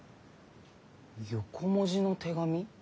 横文字の手紙？